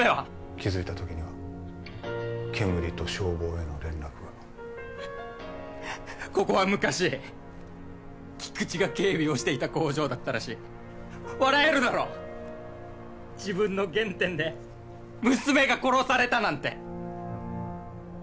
気づいた時には煙と消防への連絡がここは昔菊知が警備をしていた工場だったらしい笑えるだろ自分の原点で娘が殺されたなんて